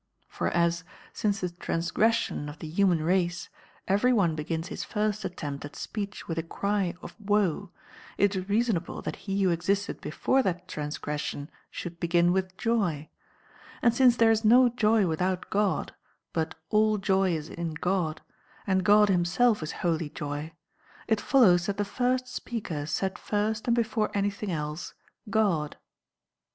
h'or as, since the transgression of the human race, every one begins his first attem])t at speech with a cry of woe, it is reasonable that he v/ho existed before that transgression shofld begin with joy ; and since there is no joy with out God, but [403 all joy is in God, and God himself is wholly joy, it follows that the first speaker said first and before anything else * God.